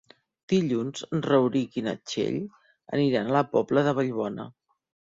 Dilluns en Rauric i na Txell aniran a la Pobla de Vallbona.